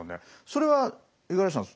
それは五十嵐さん